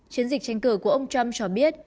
chiến dịch tranh cử của ông trump cho biết